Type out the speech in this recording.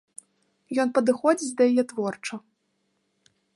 Ён падыходзіць да яе творча.